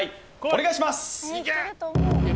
お願いします